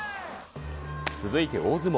続いて大相撲。